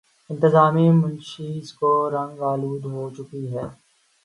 انتظامی مشینری گو زنگ آلود ہو چکی ہے۔